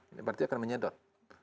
ini berarti akan menyedot